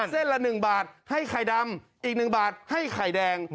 เส้นละ๑บาทให้ไข่ดำอีก๑บาทให้ไข่แดง